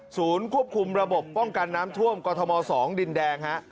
ศูนย์ควบคุมระบบป้องกันน้ำท่วมกอธมศ์๒ดินแดง